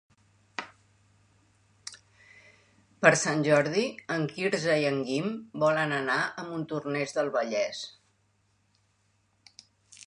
Per Sant Jordi en Quirze i en Guim volen anar a Montornès del Vallès.